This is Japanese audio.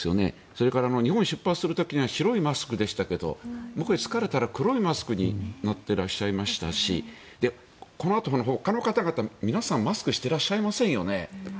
それから日本を出発する時には白いマスクでしたけど向こうに着かれたら黒いマスクになっていらっしゃいましたしこのあとほかの方々皆さんマスクをしてらっしゃいませんよね。